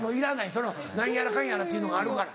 その何やらかんやらっていうのがあるから。